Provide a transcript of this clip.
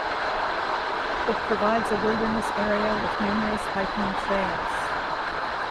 It provides a wilderness area with numerous hiking trails.